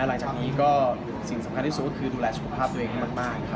หลังจากนี้สิ่งสำคัญสุดคือปลอดภัยกับผ่าของตัวเองมาก